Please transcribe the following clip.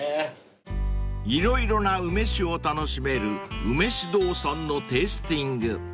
［色々な梅酒を楽しめる梅酒堂さんのテイスティング］